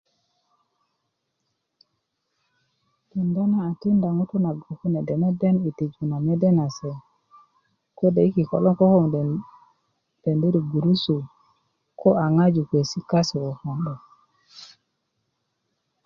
kenda na a tikinda ŋutu nago kune denede i tiju na mede na se kode i kiko logon ko kendi ni gurusu ko a ŋaju kuwesi kase koko 'dok